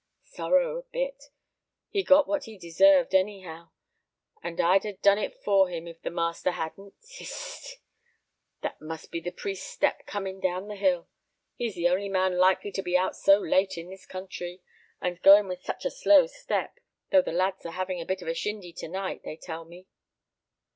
Sorrow a bit! He got what he deserved anyhow, and I'd ha' done it for him if the master hadn't Hist! That must be the priest's step coming down the hill. He is the only man likely to be out so late in this country, and going with such a slow step, though the lads are having a bit of a shindy to night they tell me."